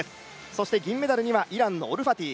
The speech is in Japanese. そして、銀メダルにはイランのオルファティ。